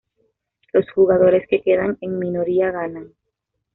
Los jugadores que quedan en minoría ganan.